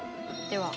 では。